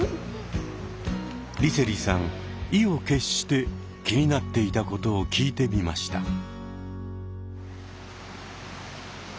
梨星さん意を決して気になっていたことを聞いてみました。